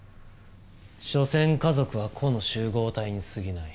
しょせん家族は個の集合体にすぎない。